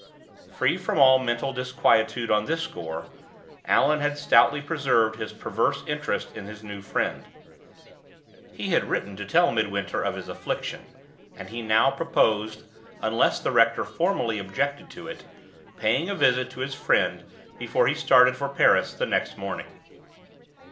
Free from all mental disquietude on this score, Allan had stoutly preserved his perverse interest in his new friend. He had written to tell Midwinter of his affliction, and he now proposed (unless the rector formally objected to it) paying a visit to his friend before he started for Paris the next morning.